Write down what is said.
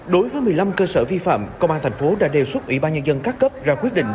đối với một mươi năm cơ sở vi phạm công an thành phố đã đề xuất ủy ban nhân dân các cấp ra quyết định